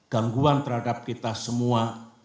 gangguan terhadap kita semua